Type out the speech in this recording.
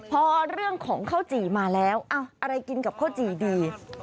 พอเรื่องของข้าวจี่มาแล้วอะไรกินกับข้าวจี่ดี